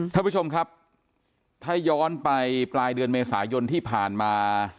ท่านผู้ชมครับถ้าย้อนไปปลายเดือนเมษายนที่ผ่านมา